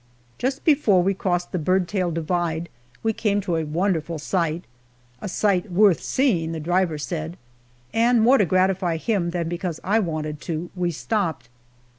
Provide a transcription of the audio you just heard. Just before we crossed the Bird Tail divide we came to a wonderful sight, "a sight worth seeing," the driver said; and more to gratify him than because I wanted to, we stopped.